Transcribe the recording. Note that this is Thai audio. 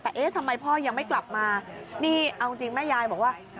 แต่เอ๊ะทำไมพ่อยังไม่กลับมานี่เอาจริงแม่ยายบอกว่า